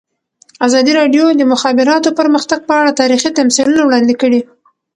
ازادي راډیو د د مخابراتو پرمختګ په اړه تاریخي تمثیلونه وړاندې کړي.